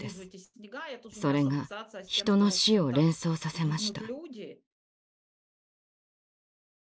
それが人の死を連想させました。